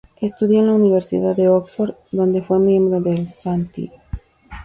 Estudió en la Universidad de Oxford, donde fue miembro de St.